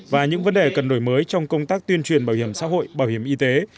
và những vấn đề cần đổi mới trong công tác tuyên truyền bảo hiểm xã hội bảo hiểm y tế